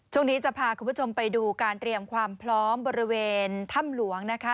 ช่วงนี้จะพาคุณผู้ชมไปดูการเตรียมความพร้อมบริเวณถ้ำหลวงนะคะ